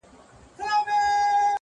ليري له بلا سومه-چي ستا سومه-